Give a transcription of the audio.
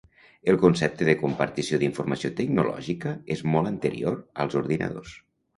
El concepte de compartició d'informació tecnològica és molt anterior als ordinadors.